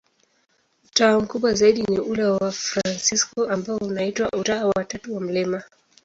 Utawa mkubwa zaidi ni ule wa Wafransisko, ambao unaitwa Utawa wa Tatu wa Mt.